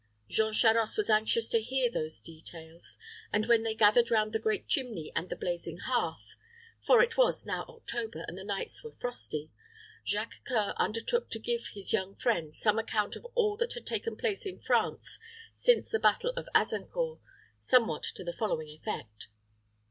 Jean Charost was anxious to hear those details, and when they gathered round the great chimney and the blazing hearth for it was now October, and the nights were frosty Jacques C[oe]ur undertook to give his young friend some account of all that had taken place in France since the battle of Azincourt, somewhat to the following effect.